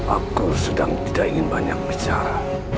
aku sedang tidak ingin banyak bicara